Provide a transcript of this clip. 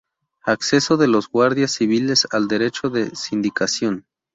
Acceso de los guardias civiles al derecho de sindicación.